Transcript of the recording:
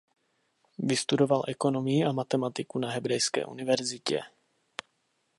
Vystudoval ekonomii a matematiku na Hebrejské univerzitě.